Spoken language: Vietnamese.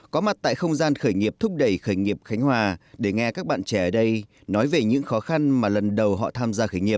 có mặt tại không gian khởi nghiệp thúc đẩy khởi nghiệp khánh hòa để nghe các bạn trẻ ở đây nói về những khó khăn mà lần đầu họ tham gia khởi nghiệp